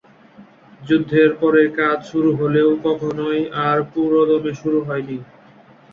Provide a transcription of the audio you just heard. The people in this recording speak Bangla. যুদ্ধের পরে কাজ শুরু হলেও কখনই আর পুরোদমে শুরু হয়নি।